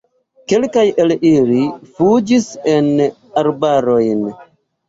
Kelkaj el ili fuĝis en arbarojn.